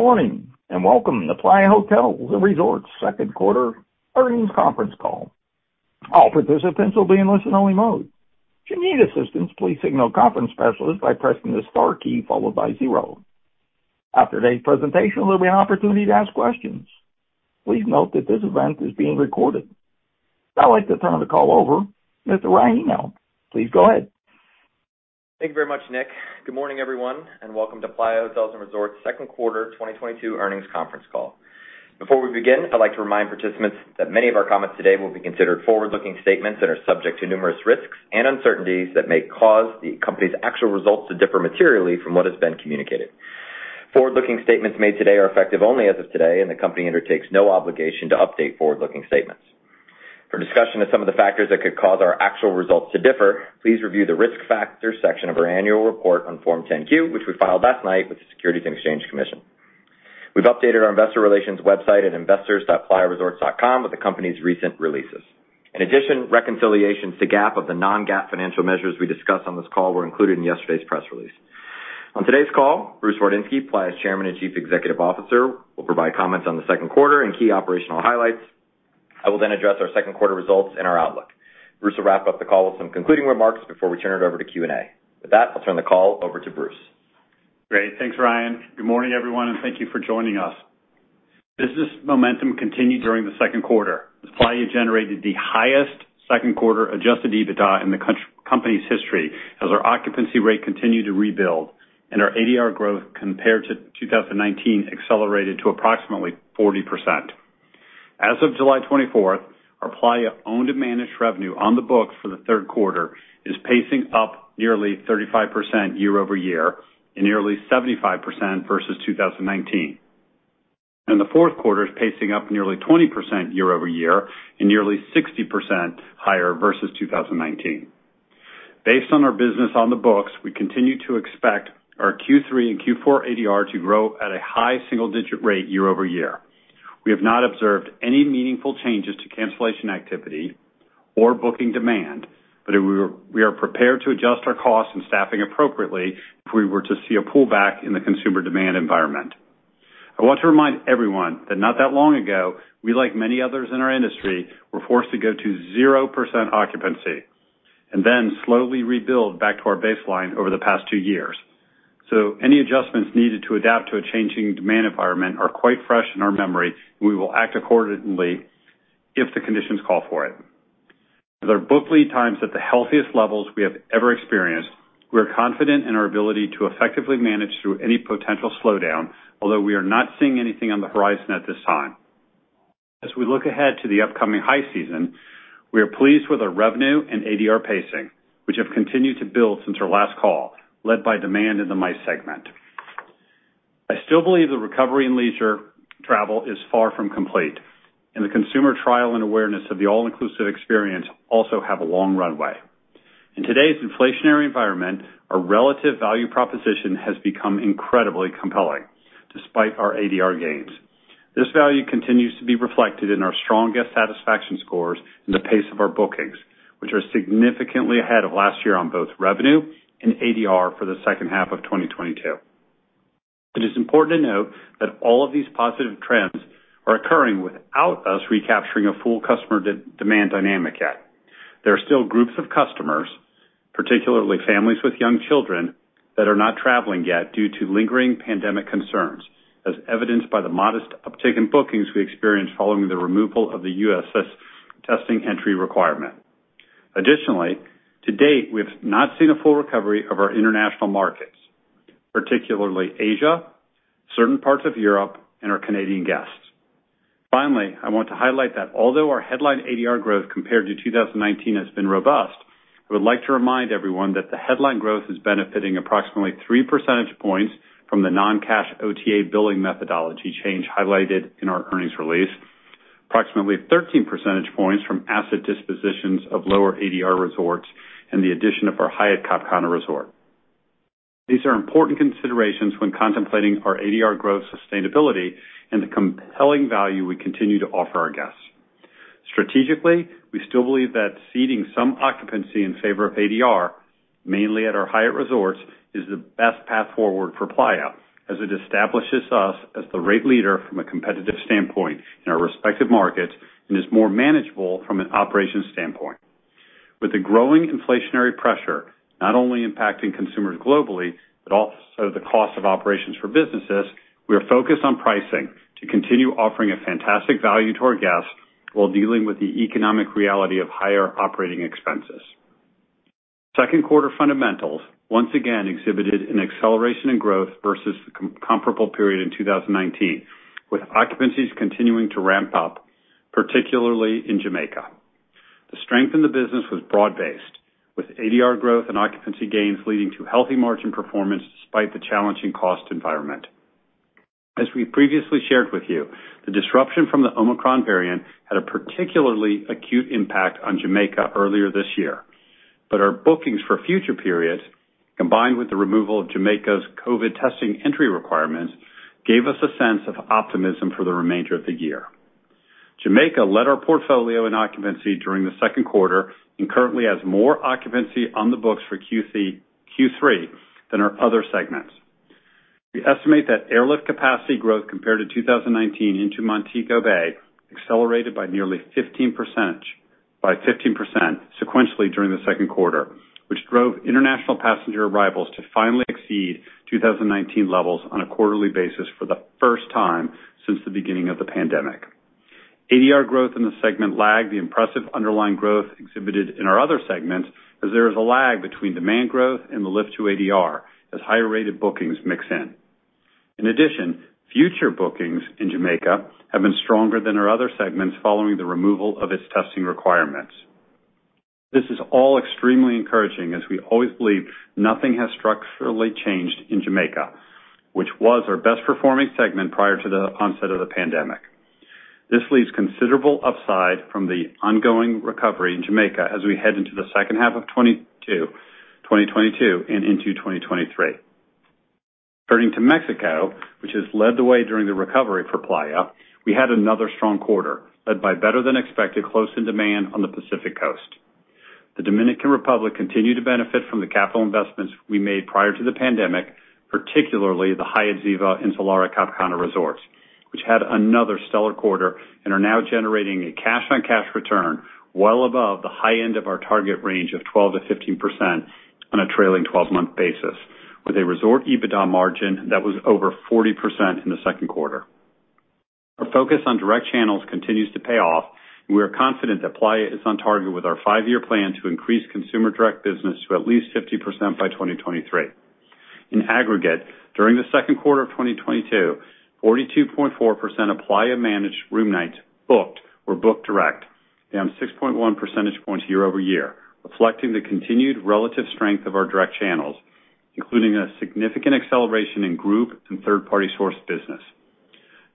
Good morning, and welcome to Playa Hotels & Resorts second quarter earnings conference call. All participants will be in listen-only mode. If you need assistance, please signal conference specialist by pressing the star key followed by zero. After today's presentation, there'll be an opportunity to ask questions. Please note that this event is being recorded. I'd like to turn the call over to Mr. Ryan Hymel. Please go ahead. Thank you very much, Nick. Good morning, everyone, and welcome to Playa Hotels & Resorts second quarter 2022 earnings conference call. Before we begin, I'd like to remind participants that many of our comments today will be considered forward-looking statements that are subject to numerous risks and uncertainties that may cause the company's actual results to differ materially from what has been communicated. Forward-looking statements made today are effective only as of today, and the company undertakes no obligation to update forward-looking statements. For discussion of some of the factors that could cause our actual results to differ, please review the Risk Factors section of our annual report on Form 10-K, which we filed last night with the Securities and Exchange Commission. We've updated our investor relations website at investors.playaresorts.com with the company's recent releases. In addition, reconciliations to GAAP of the non-GAAP financial measures we discuss on this call were included in yesterday's press release. On today's call, Bruce Wardinski, Playa's Chairman and Chief Executive Officer, will provide comments on the second quarter and key operational highlights. I will then address our second quarter results and our outlook. Bruce will wrap up the call with some concluding remarks before we turn it over to Q&A. With that, I'll turn the call over to Bruce. Great. Thanks, Ryan. Good morning, everyone, and thank you for joining us. Business momentum continued during the second quarter as Playa generated the highest second quarter adjusted EBITDA in the company's history as our occupancy rate continued to rebuild and our ADR growth compared to 2019 accelerated to approximately 40%. As of July 24, our Playa owned and managed revenue on the books for the third quarter is pacing up nearly 35% year-over-year and nearly 75% versus 2019. In the fourth quarter is pacing up nearly 20% year-over-year and nearly 60% higher versus 2019. Based on our business on the books, we continue to expect our Q3 and Q4 ADR to grow at a high single digit rate year-over-year. We have not observed any meaningful changes to cancellation activity or booking demand, but we are prepared to adjust our costs and staffing appropriately if we were to see a pullback in the consumer demand environment. I want to remind everyone that not that long ago, we like many others in our industry, were forced to go to 0% occupancy and then slowly rebuild back to our baseline over the past two years. Any adjustments needed to adapt to a changing demand environment are quite fresh in our memory. We will act accordingly if the conditions call for it. With our book lead times at the healthiest levels we have ever experienced, we are confident in our ability to effectively manage through any potential slowdown, although we are not seeing anything on the horizon at this time. As we look ahead to the upcoming high season, we are pleased with our revenue and ADR pacing, which have continued to build since our last call, led by demand in the MICE segment. I still believe the recovery in leisure travel is far from complete, and the consumer trial and awareness of the all-inclusive experience also have a long runway. In today's inflationary environment, our relative value proposition has become incredibly compelling despite our ADR gains. This value continues to be reflected in our strong guest satisfaction scores and the pace of our bookings, which are significantly ahead of last year on both revenue and ADR for the second half of 2022. It is important to note that all of these positive trends are occurring without us recapturing a full customer de-demand dynamic yet. There are still groups of customers, particularly families with young children, that are not traveling yet due to lingering pandemic concerns, as evidenced by the modest uptick in bookings we experienced following the removal of the U.S. testing entry requirement. Additionally, to date, we have not seen a full recovery of our international markets, particularly Asia, certain parts of Europe, and our Canadian guests. Finally, I want to highlight that although our headline ADR growth compared to 2019 has been robust, I would like to remind everyone that the headline growth is benefiting approximately 3 percentage points from the non-cash OTA billing methodology change highlighted in our earnings release, approximately 13 percentage points from asset dispositions of lower ADR resorts and the addition of our Hyatt Cap Cana Resort. These are important considerations when contemplating our ADR growth sustainability and the compelling value we continue to offer our guests. Strategically, we still believe that ceding some occupancy in favor of ADR, mainly at our Hyatt resorts, is the best path forward for Playa as it establishes us as the rate leader from a competitive standpoint in our respective markets and is more manageable from an operations standpoint. With the growing inflationary pressure not only impacting consumers globally, but also the cost of operations for businesses, we are focused on pricing to continue offering a fantastic value to our guests while dealing with the economic reality of higher operating expenses. Second quarter fundamentals once again exhibited an acceleration in growth versus comparable period in 2019, with occupancies continuing to ramp up, particularly in Jamaica. The strength in the business was broad-based, with ADR growth and occupancy gains leading to healthy margin performance despite the challenging cost environment. As we previously shared with you, the disruption from the Omicron variant had a particularly acute impact on Jamaica earlier this year. Our bookings for future periods, combined with the removal of Jamaica's COVID testing entry requirements, gave us a sense of optimism for the remainder of the year. Jamaica led our portfolio in occupancy during the second quarter and currently has more occupancy on the books for Q3 than our other segments. We estimate that airlift capacity growth compared to 2019 into Montego Bay accelerated by 15% sequentially during the second quarter, which drove international passenger arrivals to finally exceed 2019 levels on a quarterly basis for the first time since the beginning of the pandemic. ADR growth in the segment lagged the impressive underlying growth exhibited in our other segments as there is a lag between demand growth and the lift to ADR as higher rated bookings mix in. In addition, future bookings in Jamaica have been stronger than our other segments following the removal of its testing requirements. This is all extremely encouraging as we always believe nothing has structurally changed in Jamaica, which was our best performing segment prior to the onset of the pandemic. This leaves considerable upside from the ongoing recovery in Jamaica as we head into the second half of 2022 and into 2023. Turning to Mexico, which has led the way during the recovery for Playa, we had another strong quarter, led by better than expected close in demand on the Pacific Coast. The Dominican Republic continued to benefit from the capital investments we made prior to the pandemic, particularly the Hyatt Ziva and Zilara Cap Cana Resorts, which had another stellar quarter and are now generating a cash-on-cash return well above the high end of our target range of 12%-15% on a trailing 12-month basis, with a resort EBITDA margin that was over 40% in the second quarter. Our focus on direct channels continues to pay off, and we are confident that Playa is on target with our five-year plan to increase consumer direct business to at least 50% by 2023. In aggregate, during the second quarter of 2022, 42.4% of Playa managed room nights booked were booked direct, down 6.1 percentage points year-over-year, reflecting the continued relative strength of our direct channels, including a significant acceleration in group and third-party sourced business.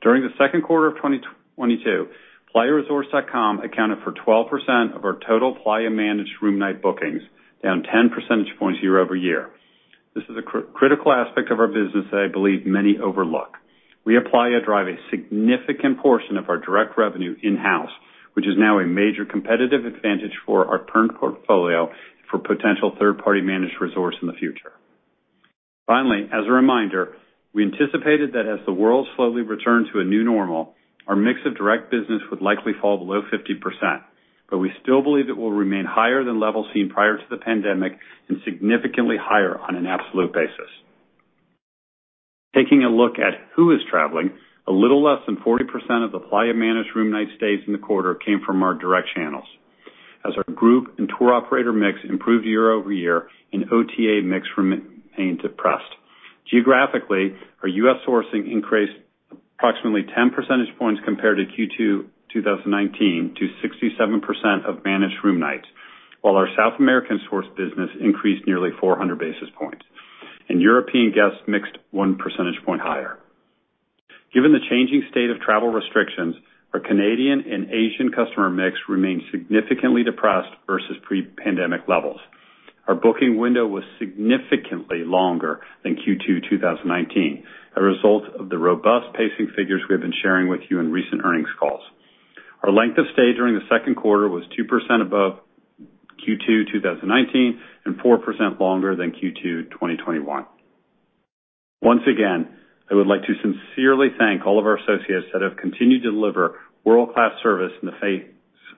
During the second quarter of 2022, playaresorts.com accounted for 12% of our total Playa managed room night bookings, down 10 percentage points year-over-year. This is a critical aspect of our business that I believe many overlook. We at Playa drive a significant portion of our direct revenue in-house, which is now a major competitive advantage for our current portfolio for potential third party managed resorts in the future. Finally, as a reminder, we anticipated that as the world slowly returned to a new normal, our mix of direct business would likely fall below 50%, but we still believe it will remain higher than levels seen prior to the pandemic and significantly higher on an absolute basis. Taking a look at who is traveling, a little less than 40% of the Playa managed room night stays in the quarter came from our direct channels. As our group and tour operator mix improved year-over-year and OTA mix remained depressed. Geographically, our U.S. sourcing increased approximately 10 percentage points compared to Q2 2019 to 67% of managed room nights, while our South American source business increased nearly 400 basis points, and European guests mixed 1 percentage point higher. Given the changing state of travel restrictions, our Canadian and Asian customer mix remained significantly depressed versus pre-pandemic levels. Our booking window was significantly longer than Q2 2019, a result of the robust pacing figures we have been sharing with you in recent earnings calls. Our length of stay during the second quarter was 2% above Q2 2019 and 4% longer than Q2 2021. Once again, I would like to sincerely thank all of our associates that have continued to deliver world-class service in the face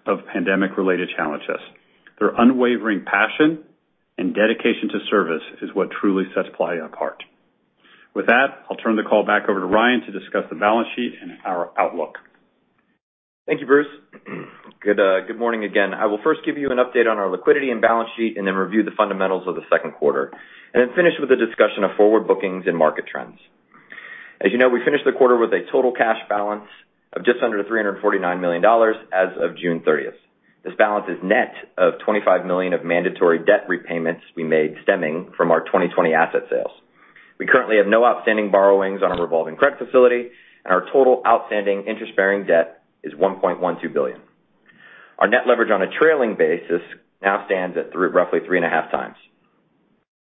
of pandemic-related challenges. Their unwavering passion and dedication to service is what truly sets Playa apart. With that, I'll turn the call back over to Ryan to discuss the balance sheet and our outlook. Thank you, Bruce. Good morning again. I will first give you an update on our liquidity and balance sheet and then review the fundamentals of the second quarter, and then finish with a discussion of forward bookings and market trends. As you know, we finished the quarter with a total cash balance of just under $349 million as of June 30. This balance is net of $25 million of mandatory debt repayments we made stemming from our 2020 asset sales. We currently have no outstanding borrowings on our revolving credit facility, and our total outstanding interest-bearing debt is $1.12 billion. Our net leverage on a trailing basis now stands at roughly 3.5x.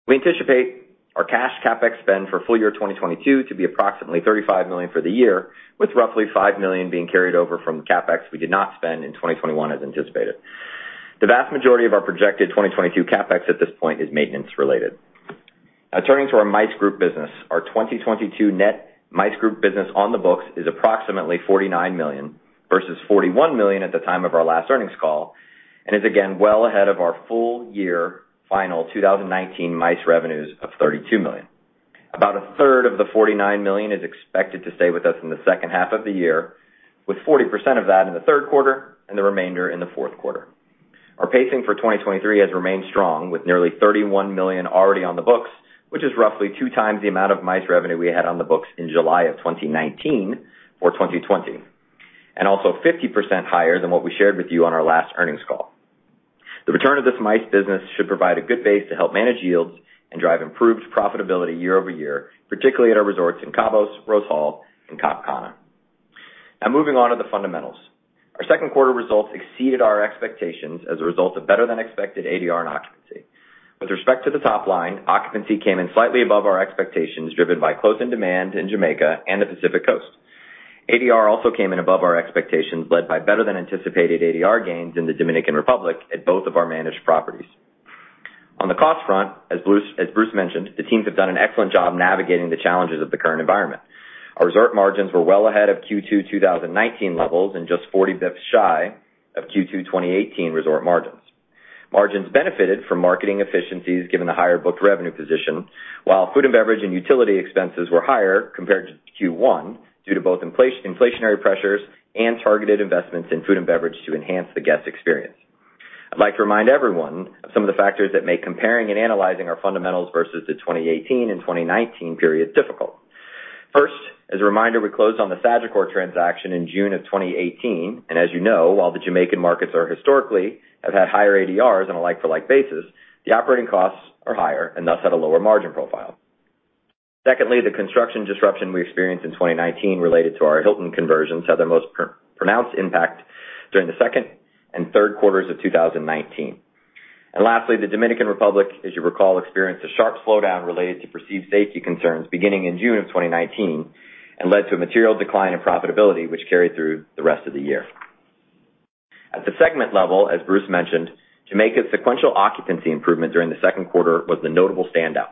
We anticipate our cash CapEx spend for full year 2022 to be approximately $35 million for the year, with roughly $5 million being carried over from CapEx we did not spend in 2021 as anticipated. The vast majority of our projected 2022 CapEx at this point is maintenance related. Now turning to our MICE group business. Our 2022 net MICE group business on the books is approximately $49 million versus $41 million at the time of our last earnings call, and is again well ahead of our full year final 2019 MICE revenues of $32 million. About a third of the $49 million is expected to stay with us in the second half of the year, with 40% of that in the third quarter and the remainder in the fourth quarter. Our pacing for 2023 has remained strong with nearly $31 million already on the books, which is roughly 2x the amount of MICE revenue we had on the books in July of 2019 for 2020, and also 50% higher than what we shared with you on our last earnings call. The return of this MICE business should provide a good base to help manage yields and drive improved profitability year-over-year, particularly at our resorts in Cabos, Rose Hall and Cap Cana. Now moving on to the fundamentals. Our second quarter results exceeded our expectations as a result of better than expected ADR and occupancy. With respect to the top line, occupancy came in slightly above our expectations, driven by close-in demand in Jamaica and the Pacific Coast. ADR also came in above our expectations, led by better than anticipated ADR gains in the Dominican Republic at both of our managed properties. On the cost front, as Bruce mentioned, the teams have done an excellent job navigating the challenges of the current environment. Our resort margins were well ahead of Q2 2019 levels, and just 40 bits shy of Q2 2018 resort margins. Margins benefited from marketing efficiencies given the higher booked revenue position, while food and beverage and utility expenses were higher compared to Q1 due to both inflationary pressures and targeted investments in food and beverage to enhance the guest experience. I'd like to remind everyone of some of the factors that make comparing and analyzing our fundamentals versus the 2018 and 2019 periods difficult. First, as a reminder, we closed on the Sagicor transaction in June of 2018. As you know, while the Jamaican markets have historically had higher ADRs on a like-for-like basis, the operating costs are higher and thus have a lower margin profile. Secondly, the construction disruption we experienced in 2019 related to our Hilton conversions had their most pronounced impact during the second and third quarters of 2019. Lastly, the Dominican Republic, as you recall, experienced a sharp slowdown related to perceived safety concerns beginning in June of 2019, and led to a material decline in profitability, which carried through the rest of the year. At the segment level, as Bruce mentioned, Jamaica's sequential occupancy improvement during the second quarter was the notable standout.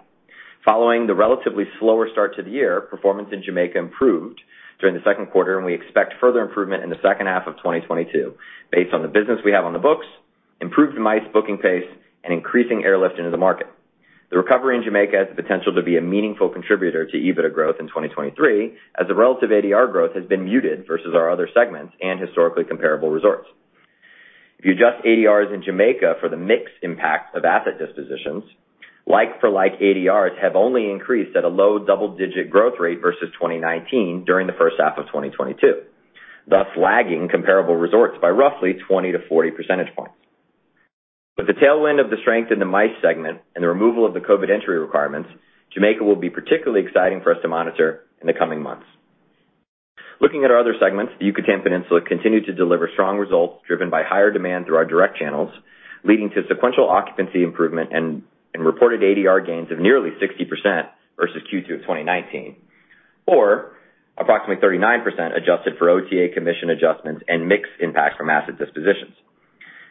Following the relatively slower start to the year, performance in Jamaica improved during the second quarter, and we expect further improvement in the second half of 2022 based on the business we have on the books, improved MICE booking pace, and increasing airlift into the market. The recovery in Jamaica has the potential to be a meaningful contributor to EBITDA growth in 2023, as the relative ADR growth has been muted versus our other segments and historically comparable resorts. If you adjust ADRs in Jamaica for the mix impact of asset dispositions, like for like ADRs have only increased at a low double-digit growth rate versus 2019 during the first half of 2022, thus lagging comparable resorts by roughly 20-40 percentage points. With the tailwind of the strength in the MICE segment and the removal of the COVID entry requirements, Jamaica will be particularly exciting for us to monitor in the coming months. Looking at our other segments, the Yucatán Peninsula continued to deliver strong results, driven by higher demand through our direct channels, leading to sequential occupancy improvement and reported ADR gains of nearly 60% versus Q2 of 2019, or approximately 39% adjusted for OTA commission adjustments and mix impact from asset dispositions.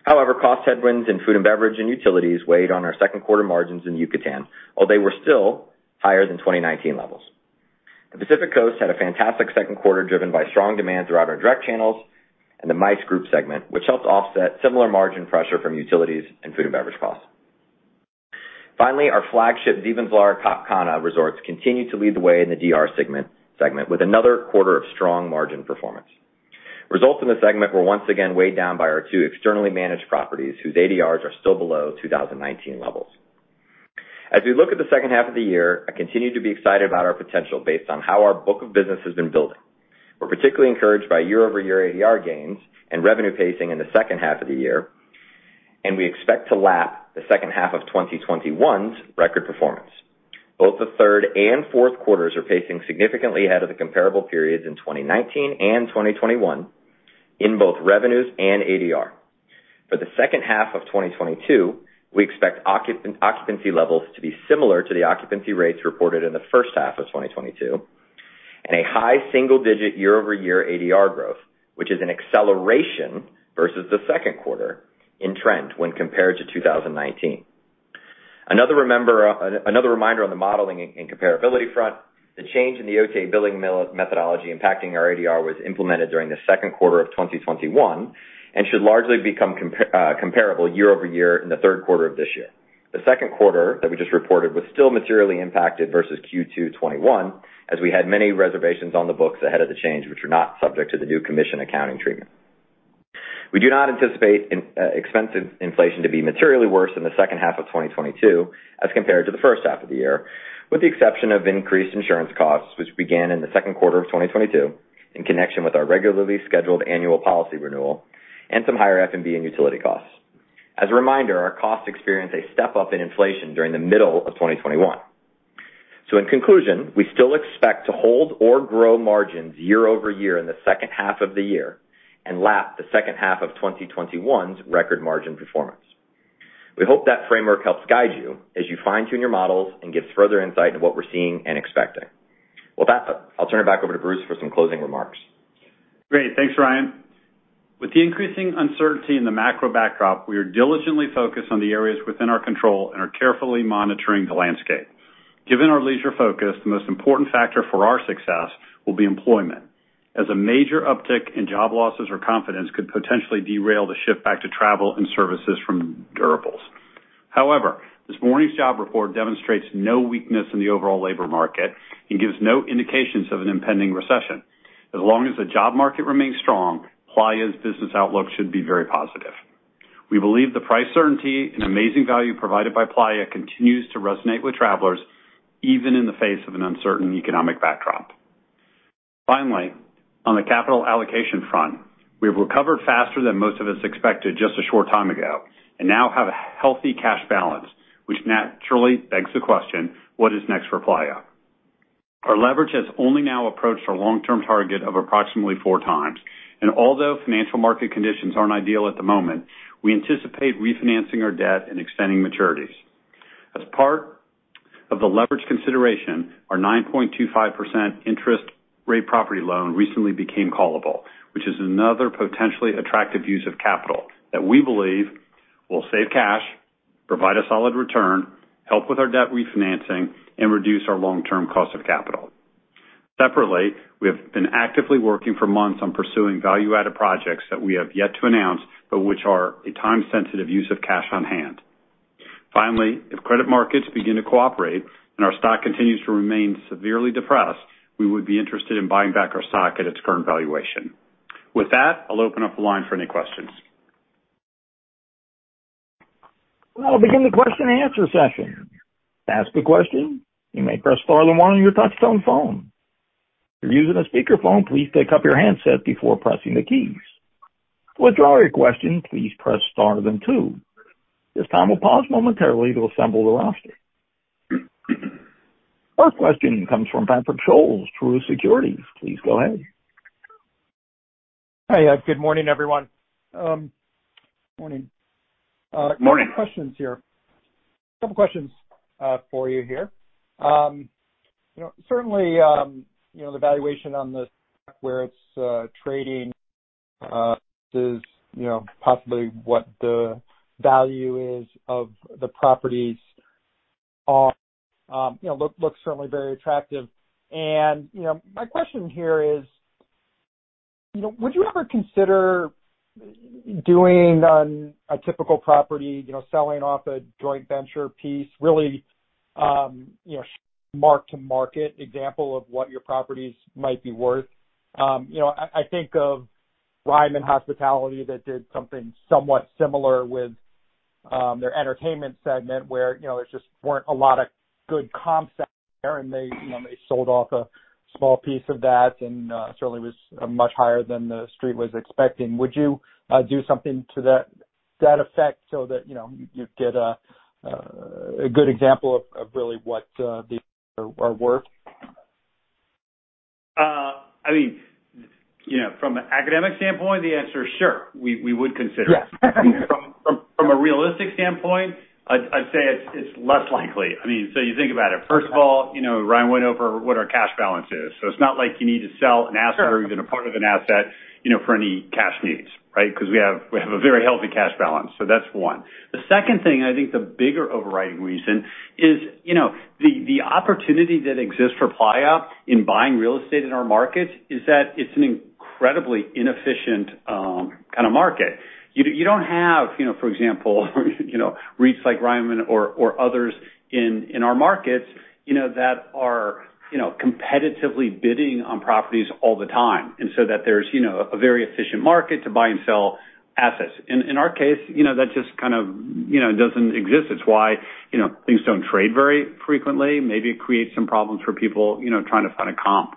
However, cost headwinds in food and beverage and utilities weighed on our second quarter margins in Yucatán, although they were still higher than 2019 levels. The Pacific Coast had a fantastic second quarter, driven by strong demand throughout our direct channels and the MICE group segment, which helped offset similar margin pressure from utilities and food and beverage costs. Finally, our flagship Hyatt Ziva and Zilara Cap Cana resorts continued to lead the way in the DR segment with another quarter of strong margin performance. Results in the segment were once again weighed down by our two externally managed properties, whose ADRs are still below 2019 levels. As we look at the second half of the year, I continue to be excited about our potential based on how our book of business has been building. We're particularly encouraged by year-over-year ADR gains and revenue pacing in the second half of the year, and we expect to lap the second half of 2021's record performance. Both the third and fourth quarters are pacing significantly ahead of the comparable periods in 2019 and 2021 in both revenues and ADR. For the second half of 2022, we expect occupancy levels to be similar to the occupancy rates reported in the first half of 2022 and a high single-digit year-over-year ADR growth, which is an acceleration versus the second quarter in trend when compared to 2019. Another reminder on the modeling and comparability front, the change in the OTA billing methodology impacting our ADR was implemented during the second quarter of 2021 and should largely become comparable year-over-year in the third quarter of this year. The second quarter that we just reported was still materially impacted versus Q2 2021, as we had many reservations on the books ahead of the change, which are not subject to the new commission accounting treatment. We do not anticipate expense inflation to be materially worse in the second half of 2022 as compared to the first half of the year, with the exception of increased insurance costs, which began in the second quarter of 2022 in connection with our regularly scheduled annual policy renewal and some higher F&B and utility costs. As a reminder, our costs experienced a step-up in inflation during the middle of 2021. In conclusion, we still expect to hold or grow margins year-over-year in the second half of the year and lap the second half of 2021's record margin performance. We hope that framework helps guide you as you fine-tune your models and gives further insight into what we're seeing and expecting. With that, I'll turn it back over to Bruce for some closing remarks. Great. Thanks, Ryan. With the increasing uncertainty in the macro backdrop, we are diligently focused on the areas within our control and are carefully monitoring the landscape. Given our leisure focus, the most important factor for our success will be employment, as a major uptick in job losses or confidence could potentially derail the shift back to travel and services from durables. However, this morning's job report demonstrates no weakness in the overall labor market and gives no indications of an impending recession. As long as the job market remains strong, Playa's business outlook should be very positive. We believe the price certainty and amazing value provided by Playa continues to resonate with travelers, even in the face of an uncertain economic backdrop. Finally, on the capital allocation front, we have recovered faster than most of us expected just a short time ago and now have a healthy cash balance, which naturally begs the question: What is next for Playa? Our leverage has only now approached our long-term target of approximately 4x. Although financial market conditions aren't ideal at the moment, we anticipate refinancing our debt and extending maturities. As part of the leverage consideration, our 9.25% interest rate property loan recently became callable, which is another potentially attractive use of capital that we believe will save cash, provide a solid return, help with our debt refinancing, and reduce our long-term cost of capital. Separately, we have been actively working for months on pursuing value-added projects that we have yet to announce, but which are a time-sensitive use of cash on hand. Finally, if credit markets begin to cooperate and our stock continues to remain severely depressed, we would be interested in buying back our stock at its current valuation. With that, I'll open up the line for any questions. We'll begin the question and answer session. To ask a question, you may press star then one on your touch-tone phone. If you're using a speakerphone, please pick up your handset before pressing the keys. To withdraw your question, please press star then two. This time we'll pause momentarily to assemble the roster. First question comes from Patrick Scholes, Truist Securities. Please go ahead. Hi. Good morning, everyone. Morning. Morning. Questions here. Couple questions for you here. You know, certainly, you know, the valuation on where it's trading is, you know, possibly what the value is of the properties are, you know, looks certainly very attractive. My question here is, you know, would you ever consider doing on a typical property, you know, selling off a joint venture piece, really, you know, mark to market example of what your properties might be worth? You know, I think of Ryman Hospitality Properties that did something somewhat similar with their entertainment segment where, you know, there just weren't a lot of good comp set there, and they, you know, they sold off a small piece of that and certainly was much higher than the Street was expecting. Would you do something to that effect so that, you know, you you'd get a good example of really what these are worth? I mean, you know, from an academic standpoint, the answer is sure. We would consider it. Yes. From a realistic standpoint, I'd say it's less likely. I mean, you think about it. First of all, you know, Ryan went over what our cash balance is. It's not like you need to sell an asset- Sure. or even a part of an asset, you know, for any cash needs, right? Because we have a very healthy cash balance. So that's one. The second thing, I think the bigger overriding reason is, you know, the opportunity that exists for Playa in buying real estate in our markets is that it's an incredibly inefficient kind of market. You don't have, you know, for example, you know, REITs like Ryman or others in our markets, you know, that are, you know, competitively bidding on properties all the time, and so that there's, you know, a very efficient market to buy and sell assets. In our case, you know, that just kind of, you know, doesn't exist. It's why, you know, things don't trade very frequently. Maybe it creates some problems for people, you know, trying to find a comp.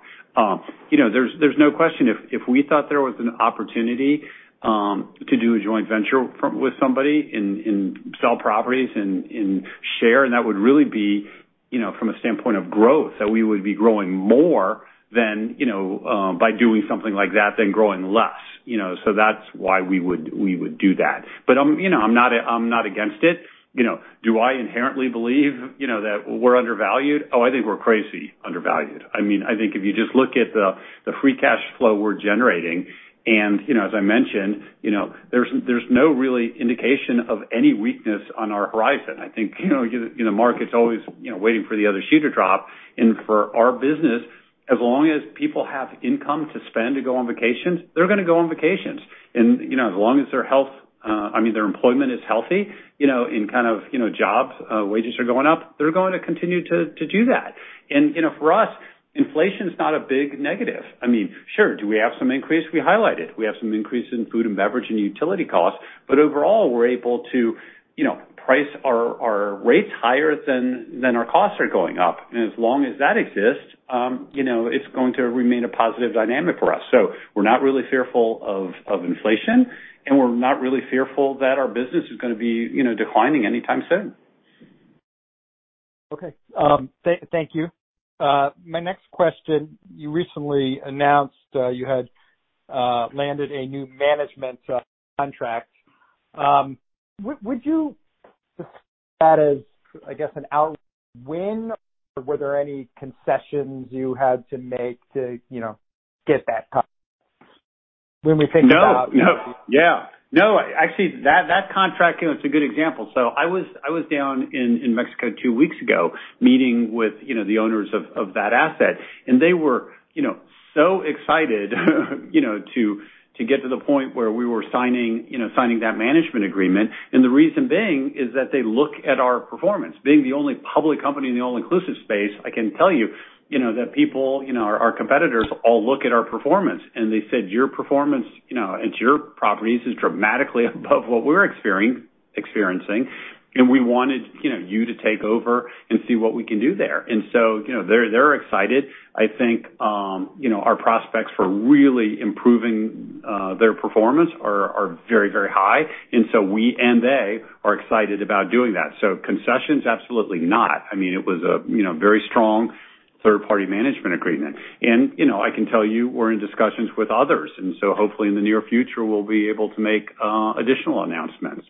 You know, there's no question if we thought there was an opportunity to do a joint venture with somebody and sell properties and share, and that would really be, you know, from a standpoint of growth, that we would be growing more than, you know, by doing something like that then growing less, you know. That's why we would do that. I'm, you know, I'm not against it. You know, do I inherently believe, you know, that we're undervalued? Oh, I think we're crazy undervalued. I mean, I think if you just look at the free cash flow we're generating, and you know, as I mentioned, you know, there's no really indication of any weakness on our horizon. I think, you know, market's always waiting for the other shoe to drop. For our business, as long as people have income to spend to go on vacations, they're gonna go on vacations. You know, as long as their health, I mean, their employment is healthy, you know, in kind of, jobs, wages are going up, they're going to continue to do that. You know, for us, inflation's not a big negative. I mean, sure, do we have some increase? We highlight it. We have some increase in food and beverage and utility costs, but overall, we're able to, you know, price our rates higher than our costs are going up. As long as that exists, you know, it's going to remain a positive dynamic for us. We're not really fearful of inflation, and we're not really fearful that our business is gonna be, you know, declining anytime soon. Okay. Thank you. My next question, you recently announced you had landed a new management contract. Would you describe that as, I guess, an outright win, or were there any concessions you had to make to, you know, get that contract when we think about, you know? No. Yeah. No. Actually, that contract, you know, it's a good example. I was down in Mexico two weeks ago, meeting with, you know, the owners of that asset. They were, you know, so excited, you know, to get to the point where we were signing that management agreement. The reason being is that they look at our performance. Being the only public company in the all-inclusive space, I can tell you know, that people, you know, our competitors all look at our performance. They said, "Your performance at your properties is dramatically above what we're experiencing, and we wanted you to take over and see what we can do there." You know, they're excited. I think, you know, our prospects for really improving their performance are very, very high. We and they are excited about doing that. Concessions, absolutely not. I mean, it was a, you know, very strong third-party management agreement. You know, I can tell you we're in discussions with others, and so hopefully in the near future we'll be able to make additional announcements.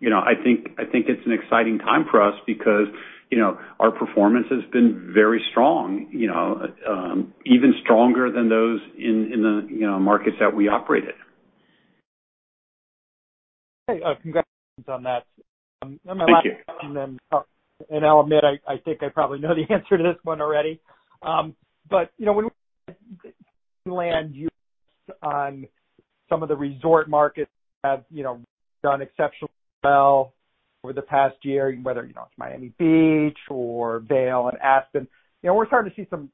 You know, I think it's an exciting time for us because, you know, our performance has been very strong, you know, even stronger than those in the markets that we operate in. Okay. Congrats on that. Thank you. I'll admit, I think I probably know the answer to this one already. You know, when land use on some of the resort markets have you know done exceptionally well over the past year, whether you know it's Miami Beach or Vail and Aspen, you know, we're starting to see some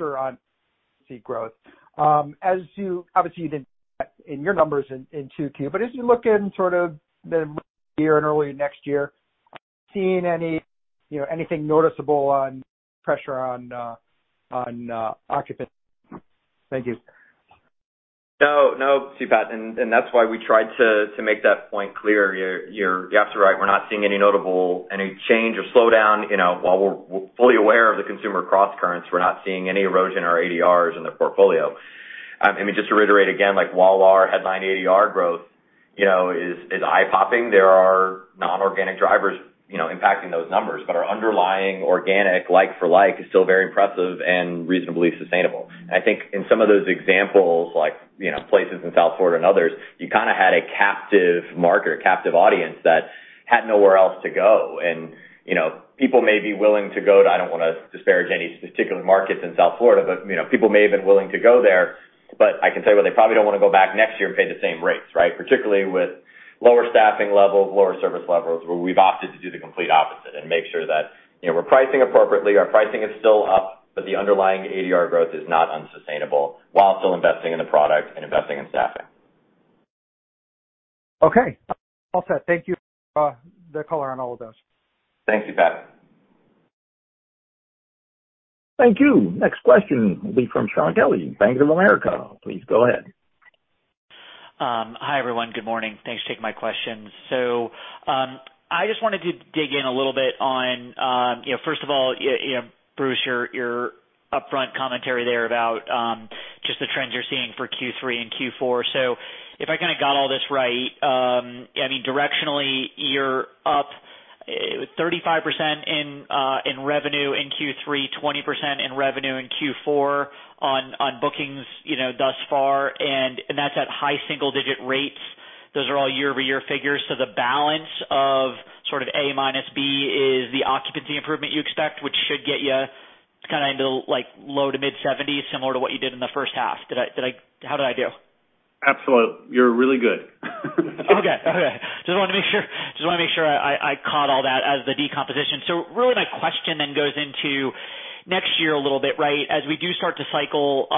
occupancy growth. Obviously, you didn't see in your numbers in 2Q, but as you look into the year and early next year, seeing any you know anything noticeable pressure on occupancy. Thank you. No, Patrick. That's why we tried to make that point clear. You're absolutely right. We're not seeing any notable change or slowdown. You know, while we're fully aware of the consumer crosscurrents, we're not seeing any erosion of ADRs in the portfolio. I mean, just to reiterate again, like, while our headline ADR growth, you know, is eye-popping. There are non-organic drivers, you know, impacting those numbers. Our underlying organic, like-for-like, is still very impressive and reasonably sustainable. I think in some of those examples, like, you know, places in South Florida and others, you kind of had a captive market or captive audience that had nowhere else to go. You know, people may be willing to go to, I don't wanna disparage any particular markets in South Florida, but, you know, people may have been willing to go there, but I can tell you what they probably don't want to go back next year and pay the same rates, right? Particularly with lower staffing levels, lower service levels, where we've opted to do the complete opposite and make sure that, you know, we're pricing appropriately. Our pricing is still up, but the underlying ADR growth is not unsustainable while still investing in the product and investing in staffing. Okay. All set. Thank you, the color on all of those. Thank you, Pat. Thank you. Next question will be from Shaun Kelley, Bank of America. Please go ahead. Hi, everyone. Good morning. Thanks for taking my questions. I just wanted to dig in a little bit on, you know, first of all, you know, Bruce, your upfront commentary there about just the trends you're seeing for Q3 and Q4. If I kind of got all this right, I mean, directionally, you're up 35% in revenue in Q3, 20% in revenue in Q4 on bookings, you know, thus far, and that's at high single-digit rates. Those are all year-over-year figures. The balance of sort of A minus B is the occupancy improvement you expect, which should get you kind of into like low-to-mid 70s, similar to what you did in the first half. Did I. How did I do? Absolutely. You're really good. Okay. Just wanted to make sure I caught all that as the decomposition. Really my question then goes into next year a little bit, right? As we do start to cycle,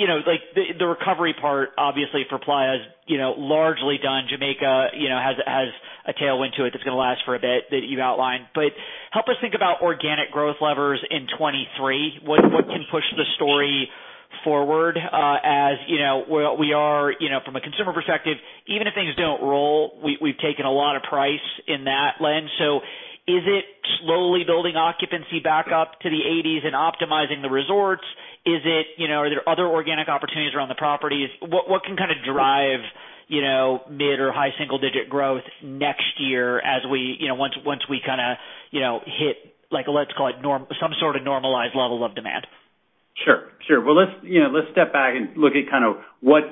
you know, like the recovery part obviously for Playa is, you know, largely done. Jamaica, you know, has a tailwind to it that's gonna last for a bit that you've outlined. Help us think about organic growth levers in 2023. What can push the story forward, as you know, we are, you know, from a consumer perspective, even if things don't roll, we've taken a lot of price in that lens. Is it slowly building occupancy back up to the 80s and optimizing the resorts? Is it, you know, are there other organic opportunities around the properties? What can kind of drive, you know, mid or high single digit growth next year as we, you know, once we kinda, you know, hit like, let's call it some sort of normalized level of demand? Sure, sure. Well, let's, you know, let's step back and look at kind of what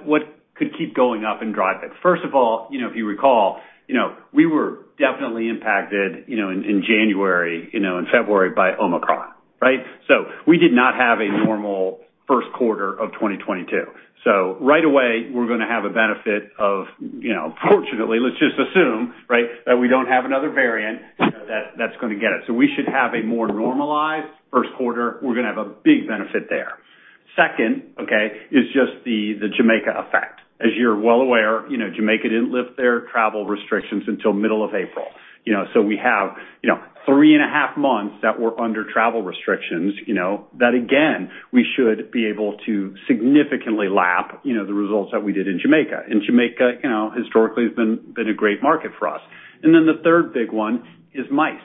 could keep going up and drive it. First of all, you know, if you recall, you know, we were definitely impacted, you know, in January, you know, in February by Omicron, right? We did not have a normal first quarter of 2022. Right away we're gonna have a benefit of, you know, fortunately, let's just assume, right, that we don't have another variant, you know, that's gonna get us. We should have a more normalized first quarter. We're gonna have a big benefit there. Second, okay, is just the Jamaica effect. As you're well aware, you know, Jamaica didn't lift their travel restrictions until middle of April. You know, we have, you know, three and a half months that were under travel restrictions, you know, that again, we should be able to significantly lap, you know, the results that we did in Jamaica. Jamaica, you know, historically has been a great market for us. The third big one is MICE,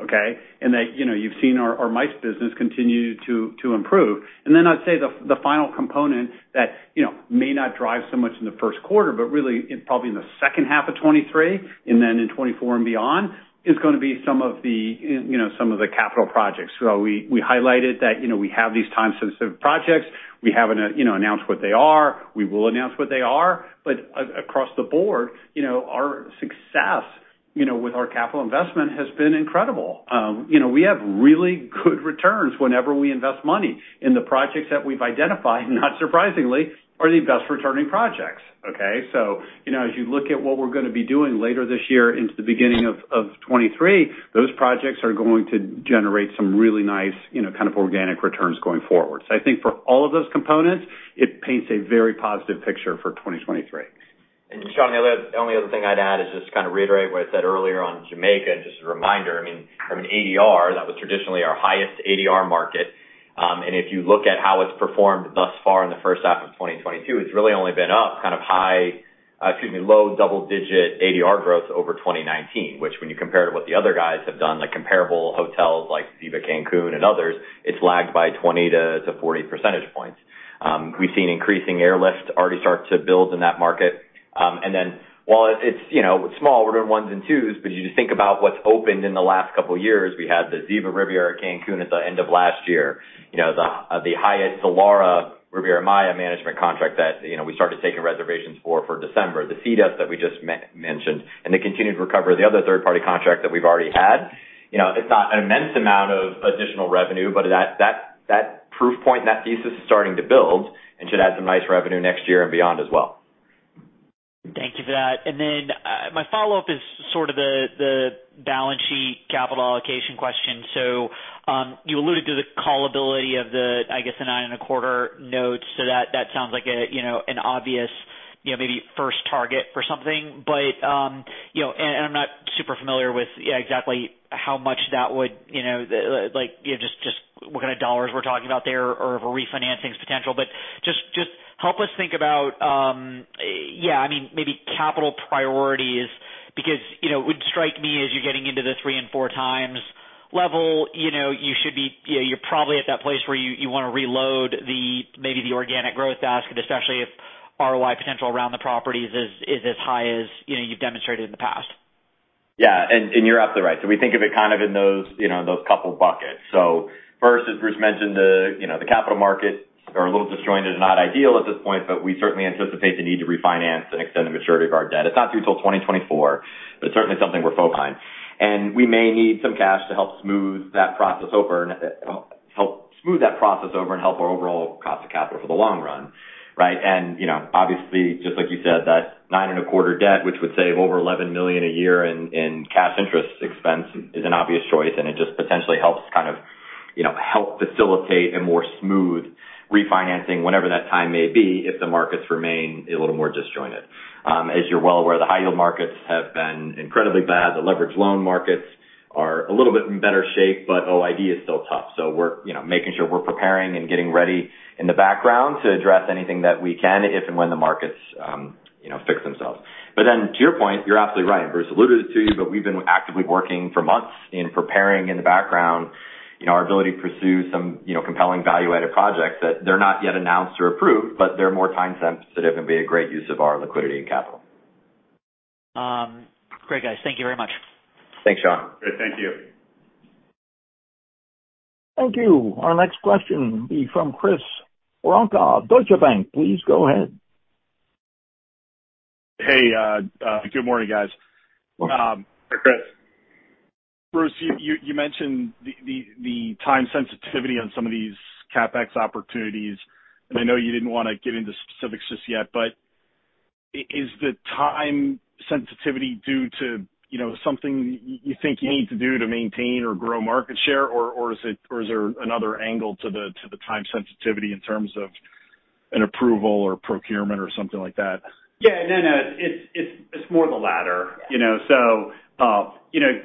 okay? That, you know, you've seen our MICE business continue to improve. I'd say the final component that, you know, may not drive so much in the first quarter, but really probably in the second half of 2023 and then in 2024 and beyond, is gonna be some of the, you know, some of the capital projects. We highlighted that, you know, we have these time-sensitive projects. We haven't, you know, announced what they are. We will announce what they are. Across the board, you know, our success, you know, with our capital investment has been incredible. You know, we have really good returns whenever we invest money. In the projects that we've identified, not surprisingly, are the best returning projects, okay? You know, as you look at what we're gonna be doing later this year into the beginning of 2023, those projects are going to generate some really nice, you know, kind of organic returns going forward. I think for all of those components, it paints a very positive picture for 2023. Shaun, the only other thing I'd add is just kind of reiterate what I said earlier on Jamaica. Just a reminder, I mean, from an ADR, that was traditionally our highest ADR market. If you look at how it's performed thus far in the first half of 2022, it's really only been up kind of high, excuse me, low double-digit ADR growth over 2019. Which when you compare to what the other guys have done, like comparable hotels like Ziva Cancun and others, it's lagged by 20-40 percentage points. We've seen increasing airlift already start to build in that market. While it's, you know, small, we're doing ones and twos, but you just think about what's opened in the last couple years. We had the Ziva Riviera Cancun at the end of last year. You know, the Hyatt Zilara Riviera Maya management contract that, you know, we started taking reservations for December. The CDF that we just mentioned and the continued recovery of the other third-party contract that we've already had. You know, it's not an immense amount of additional revenue, but that proof point and that thesis is starting to build and should add some nice revenue next year and beyond as well. Thank you for that. My follow-up is sort of the balance sheet capital allocation question. You alluded to the callability of the, I guess, the 9.25 notes. That sounds like a, you know, an obvious, you know, maybe first target for something. You know, I'm not super familiar with exactly how much that would, you know, like, you know, just what kind of dollars we're talking about there or refinancing's potential. Just help us think about, I mean, maybe capital priorities because, you know, it would strike me as you're getting into the 3x and 4x level, you know, you should be. You know, you're probably at that place where you wanna reload the, maybe the organic growth ask, and especially if ROI potential around the properties is as high as, you know, you've demonstrated in the past. Yeah. You're absolutely right. We think of it kind of in those, you know, those couple buckets. First, as Bruce mentioned, the, you know, the capital markets are a little disjointed and not ideal at this point, but we certainly anticipate the need to refinance and extend the maturity of our debt. It's not due till 2024, but it's certainly something we're focused on. We may need some cash to help smooth that process over and help our overall cost of capital for the long run, right? You know, obviously, just like you said, that 9.25% debt, which would save over $11 million a year in cash interest expense is an obvious choice, and it just potentially helps kind of, you know, help facilitate a more smooth refinancing whenever that time may be if the markets remain a little more disjointed. As you're well aware, the high yield markets have been incredibly bad. The leverage loan markets are a little bit in better shape, but OID is still tough. So we're, you know, making sure we're preparing and getting ready in the background to address anything that we can if and when the markets, you know, fix themselves. But then to your point, you're absolutely right. Bruce alluded to it to you, but we've been actively working for months in preparing in the background, you know, our ability to pursue some, you know, compelling value-added projects that they're not yet announced or approved, but they're more time-sensitive and would be a great use of our liquidity and capital. Great, guys. Thank you very much. Thanks, Shaun. Great. Thank you. Thank you. Our next question will be from Chris Woronka, Deutsche Bank. Please go ahead. Hey, good morning, guys. Hi, Chris. Bruce, you mentioned the time sensitivity on some of these CapEx opportunities. I know you didn't wanna get into specifics just yet, but is the time sensitivity due to, you know, something you think you need to do to maintain or grow market share? Or is there another angle to the time sensitivity in terms of an approval or procurement or something like that? Yeah. No, no. It's more the latter, you know.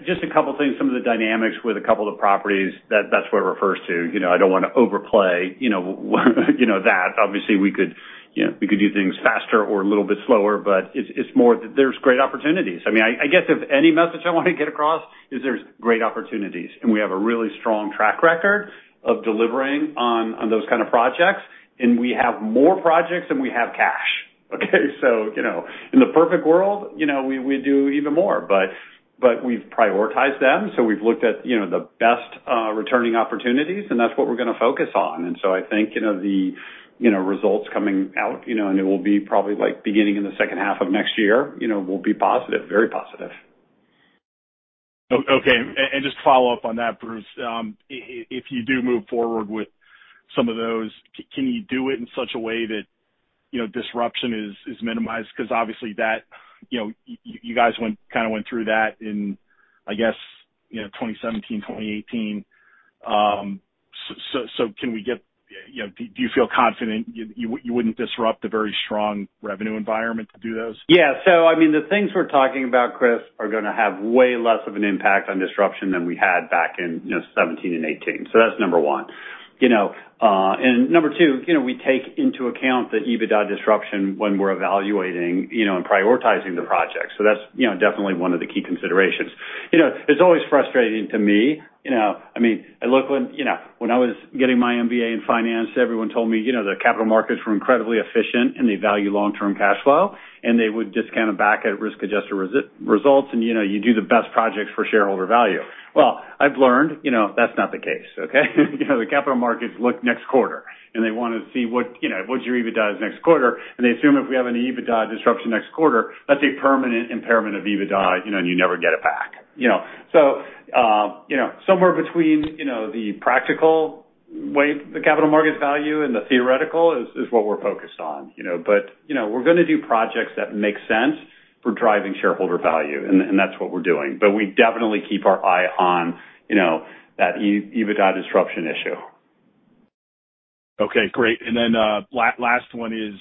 Just a couple things, some of the dynamics with a couple of the properties. That's what it refers to. You know, I don't wanna overplay, you know you know that. Obviously, we could do things faster or a little bit slower, but it's more there's great opportunities. I mean, I guess if any message I wanna get across is there's great opportunities, and we have a really strong track record of delivering on those kind of projects. We have more projects than we have cash, okay. In the perfect world, you know, we do even more. We've prioritized them. We've looked at, you know, the best returning opportunities, and that's what we're gonna focus on. I think, you know, the results coming out, you know, and it will be probably, like, beginning in the second half of next year, you know, will be positive, very positive. Okay. Just to follow up on that, Bruce. If you do move forward with some of those, can you do it in such a way that, you know, disruption is minimized? 'Cause obviously that, you know, you guys kind of went through that in, I guess, you know, 2017, 2018. Can we get, you know, do you feel confident you wouldn't disrupt the very strong revenue environment to do those? Yeah. I mean, the things we're talking about, Chris, are gonna have way less of an impact on disruption than we had back in 2017 and 2018. That's number one. You know, number two, you know, we take into account the EBITDA disruption when we're evaluating and prioritizing the projects. That's definitely one of the key considerations. You know, it's always frustrating to me, you know. I mean, I look when I was getting my MBA in finance, everyone told me, you know, the capital markets we re incredibly efficient, and they value long-term cash flow, and they would discount them back at risk-adjusted rates. You know, you do the best projects for shareholder value. Well, I've learned, you know, that's not the case, okay? You know, the capital markets look next quarter, and they wanna see what, you know, what's your EBITDA is next quarter. They assume if we have an EBITDA disruption next quarter, that's a permanent impairment of EBITDA, you know, and you never get it back, you know. You know, somewhere between, you know, the practical way the capital markets value and the theoretical is what we're focused on, you know. You know, we're gonna do projects that make sense for driving shareholder value, and that's what we're doing. We definitely keep our eye on, you know, that EBITDA disruption issue. Okay. Great. Last one is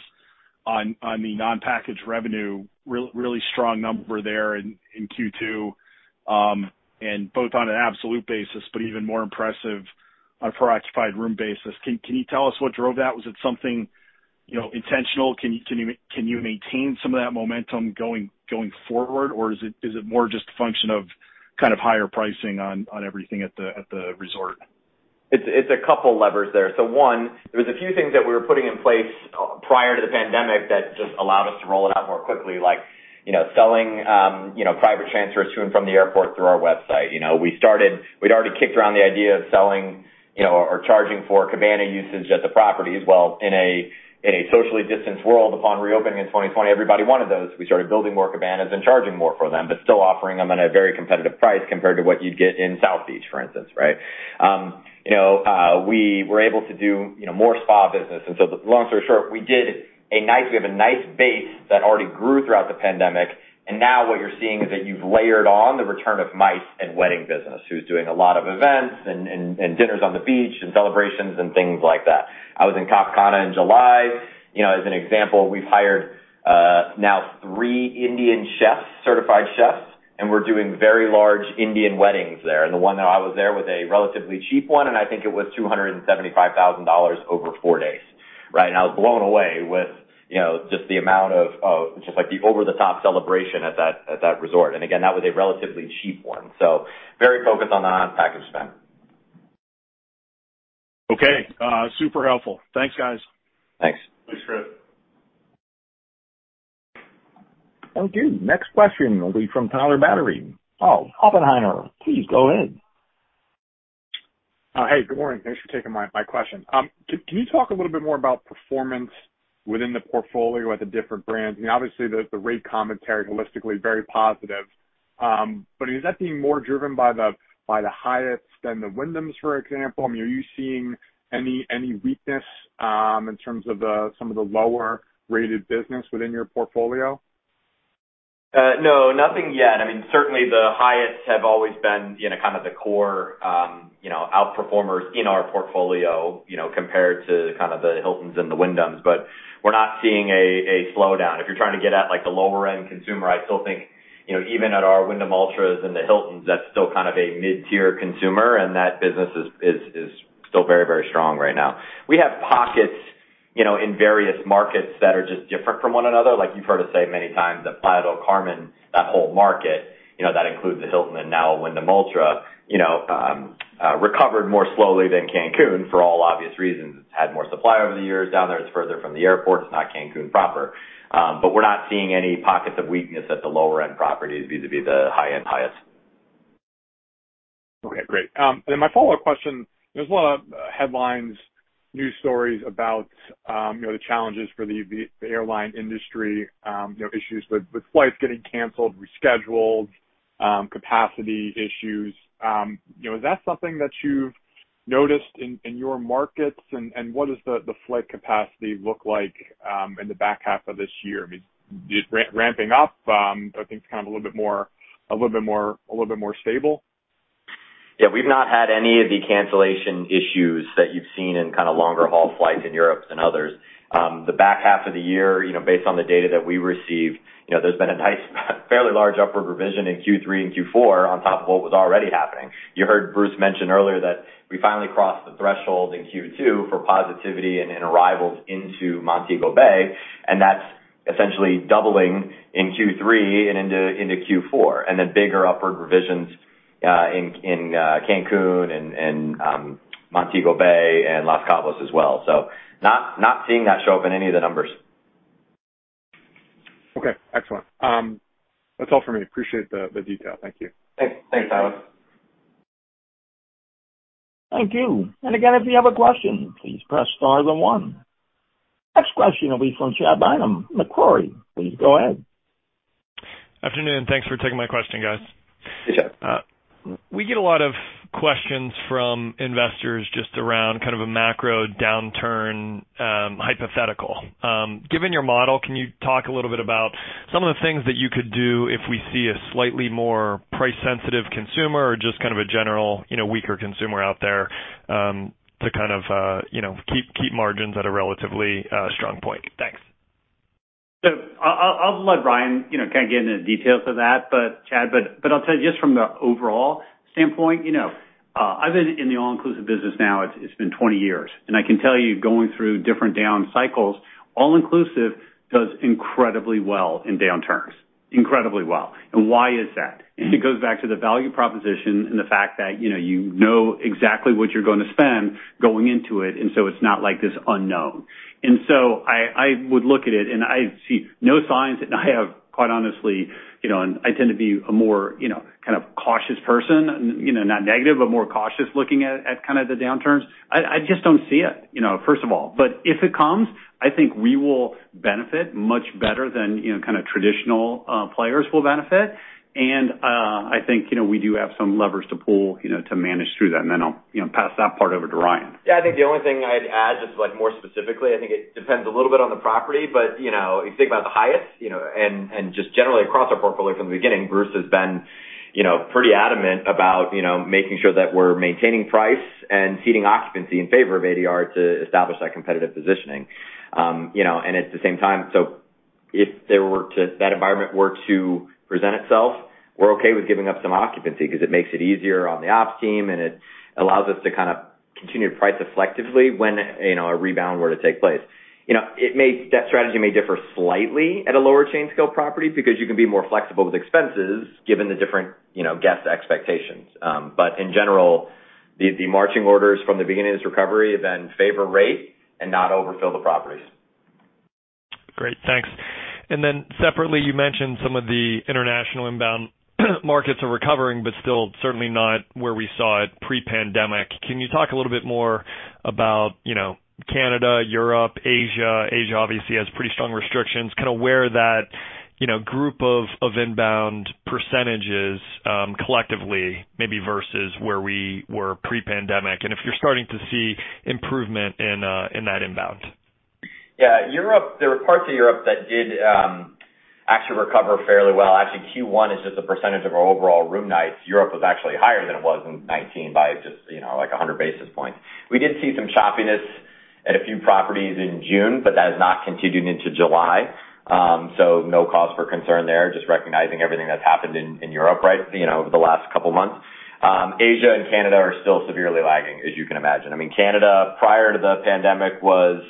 on the non-packaged revenue. Really strong number there in Q2, and both on an absolute basis but even more impressive on per occupied room basis. Can you tell us what drove that? Was it something You know, intentional. Can you maintain some of that momentum going forward or is it more just a function of kind of higher pricing on everything at the resort? It's a couple levers there. One, there was a few things that we were putting in place prior to the pandemic that just allowed us to roll it out more quickly, like, you know, selling, you know, private transfers to and from the airport through our website. You know, we'd already kicked around the idea of selling, you know, or charging for cabana usage at the properties. Well, in a socially distanced world, upon reopening in 2020, everybody wanted those. We started building more cabanas and charging more for them, but still offering them at a very competitive price compared to what you'd get in South Beach, for instance, right? You know, we were able to do, you know, more spa business. Long story short, we have a nice base that already grew throughout the pandemic. Now what you're seeing is that you've layered on the return of MICE and wedding business, who's doing a lot of events and dinners on the beach and celebrations and things like that. I was in Cap Cana in July. You know, as an example, we've hired now three Indian chefs, certified chefs, and we're doing very large Indian weddings there. The one that I was there was a relatively cheap one, and I think it was $275,000 over four days, right? I was blown away with, you know, just the amount of just like the over-the-top celebration at that resort. Again, that was a relatively cheap one. Very focused on the package spend. Okay. Super helpful. Thanks, guys. Thanks. Thanks, Chris. Thank you. Next question will be from Tyler Batory. Oh, Oppenheimer, please go ahead. Hey, good morning. Thanks for taking my question. Can you talk a little bit more about performance within the portfolio at the different brands? I mean, obviously the rate commentary holistically very positive. Is that being more driven by the Hyatts than the Wyndhams, for example? I mean, are you seeing any weakness in terms of some of the lower rated business within your portfolio? No, nothing yet. I mean, certainly the Hyatts have always been, you know, kind of the core, you know, outperformers in our portfolio, you know, compared to kind of the Hiltons and the Wyndhams, but we're not seeing a slowdown. If you're trying to get at, like, the lower end consumer, I still think, you know, even at our Wyndham Alltra and the Hiltons, that's still kind of a mid-tier consumer, and that business is still very, very strong right now. We have pockets, you know, in various markets that are just different from one another. Like you've heard us say many times that Playa del Carmen, that whole market, you know, that includes the Hilton and now a Wyndham Alltra, you know, recovered more slowly than Cancún for all obvious reasons. It's had more supply over the years down there. It's further from the airport. It's not Cancún proper. We're not seeing any pockets of weakness at the lower end properties vis-à-vis the high-end Hyatts. Okay, great. My follow-up question. There's a lot of headlines, news stories about, you know, the challenges for the airline industry, you know, issues with flights getting canceled, rescheduled, capacity issues. You know, is that something that you've noticed in your markets? What does the flight capacity look like in the back half of this year? I mean, is it ramping up? Are things kind of a little bit more stable? Yeah, we've not had any of the cancellation issues that you've seen in kind of longer haul flights in Europe than others. The back half of the year, you know, based on the data that we received, you know, there's been a nice, fairly large upward revision in Q3 and Q4 on top of what was already happening. You heard Bruce mention earlier that we finally crossed the threshold in Q2 for positivity and in arrivals into Montego Bay, and that's essentially doubling in Q3 and into Q4. Then bigger upward revisions in Cancún and Montego Bay and Los Cabos as well. Not seeing that show up in any of the numbers. Okay, excellent. That's all for me. Appreciate the detail. Thank you. Thanks. Thanks, Tyler. Thank you. Again, if you have a question, please press star then one. Next question will be from Chad Beynon, Macquarie. Please go ahead. Afternoon, thanks for taking my question, guys. Hey, Chad. We get a lot of questions from investors just around kind of a macro downturn, hypothetical. Given your model, can you talk a little bit about some of the things that you could do if we see a slightly more price-sensitive consumer or just kind of a general, you know, weaker consumer out there, to kind of, you know, keep margins at a relatively strong point? Thanks. I'll let Ryan, you know, kind of get into the details of that, but Chad, I'll tell you just from the overall standpoint, you know, I've been in the all-inclusive business now, it's been 20 years, and I can tell you going through different down cycles, all-inclusive does incredibly well in downturns. Incredibly well. Why is that? It goes back to the value proposition and the fact that, you know, you know exactly what you're gonna spend going into it, and so it's not like this unknown. I would look at it and I see no signs, and I have quite honestly, you know, and I tend to be a more, you know, kind of cautious person, you know, not negative, but more cautious looking at kind of the downturns. I just don't see it, you know, first of all. If it comes, I think we will benefit much better than, you know, kind of traditional players will benefit. I think, you know, we do have some levers to pull, you know, to manage through that. Then I'll, you know, pass that part over to Ryan. Yeah, I think the only thing I'd add, just like more specifically, I think it depends a little bit on the property. You know, if you think about the Hyatts, you know, and just generally across our portfolio from the beginning, Bruce has been, you know, pretty adamant about, you know, making sure that we're maintaining price and ceding occupancy in favor of ADR to establish that competitive positioning. You know, at the same time, so if that environment were to present itself, we're okay with giving up some occupancy because it makes it easier on the ops team, and it allows us to kind of continue to price selectively when, you know, a rebound were to take place. You know, that strategy may differ slightly at a lower chain scale property because you can be more flexible with expenses given the different, you know, guest expectations. In general, the marching orders from the beginning of this recovery have been favor rate and not overfill the properties. Great, thanks. Separately, you mentioned some of the international inbound markets are recovering, but still certainly not where we saw it pre-pandemic. Can you talk a little bit more about, you know, Canada, Europe, Asia? Asia obviously has pretty strong restrictions. Kinda where that, you know, group of inbound percentages, collectively maybe versus where we were pre-pandemic and if you're starting to see improvement in that inbound. Yeah. Europe, there were parts of Europe that did, actually recover fairly well. Actually Q1 is just a percentage of our overall room nights. Europe was actually higher than it was in 2019 by just, you know, like 100 basis points. We did see some choppiness at a few properties in June, but that has not continued into July. No cause for concern there. Just recognizing everything that's happened in Europe, right? You know, over the last couple months. Asia and Canada are still severely lagging, as you can imagine. I mean, Canada prior to the pandemic was,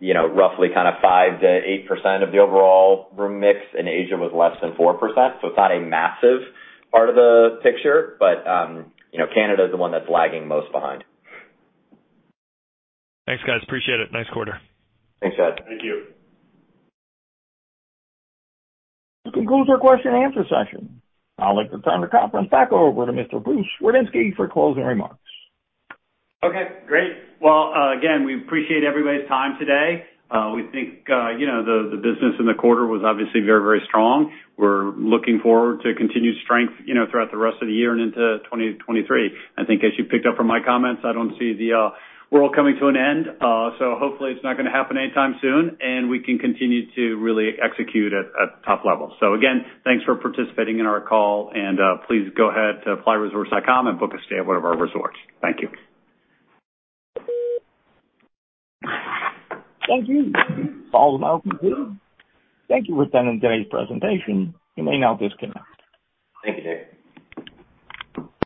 you know, roughly kind of 5%-8% of the overall room mix, and Asia was less than 4%. It's not a massive part of the picture, but, you know, Canada is the one that's lagging most behind. Thanks, guys. Appreciate it. Nice quarter. Thanks, Chad. Thank you. Concludes our question and answer session. I'd like to turn the conference back over to Mr. Bruce Wardinski for closing remarks. Okay, great. Well, again, we appreciate everybody's time today. We think, you know, the business in the quarter was obviously very, very strong. We're looking forward to continued strength, you know, throughout the rest of the year and into 2023. I think as you picked up from my comments, I don't see the world coming to an end. Hopefully it's not gonna happen anytime soon, and we can continue to really execute at top level. Again, thanks for participating in our call and, please go ahead to playaresorts.com and book a stay at one of our resorts. Thank you. Thank you. All calls completed. Thank you for attending today's presentation. You may now disconnect. Thank you, Dave.